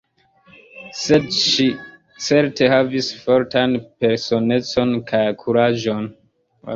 Sed ŝi certe havis fortan personecon kaj kuraĝon.